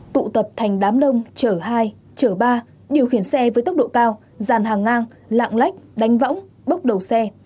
tụ tập thành đám đông chở hai chở ba điều khiển xe với tốc độ cao dàn hàng ngang lạng lách đánh võng bốc đầu xe